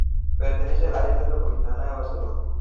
Pertenece al Área metropolitana de Barcelona.